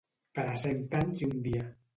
Per a cent anys i un dia.